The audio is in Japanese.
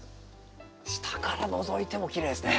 下からのぞいてもきれいですね。